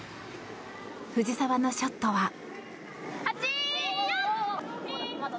藤澤のショットは。